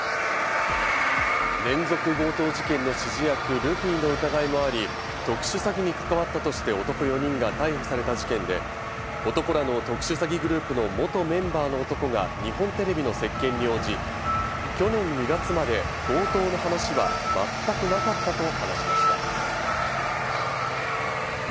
連続強盗事件の指示役・ルフィの疑いもあり、特殊詐欺に関わったとして男４人が逮捕された事件で、男らの特殊詐欺グループの元メンバーの男か日本テレビの接見に応じ、去年２月まで強盗の話は全くなかったと話しました。